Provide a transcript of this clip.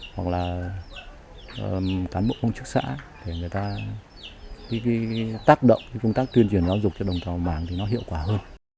hoặc là cán bộ công chức xã để người ta khi tác động công tác tuyên truyền giáo dục cho đồng tàu mạng thì nó hiệu quả hơn